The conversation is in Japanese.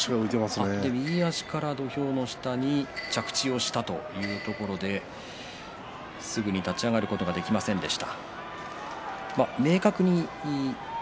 右足から土俵下に着地したということですぐに立ち上がることができませんでした。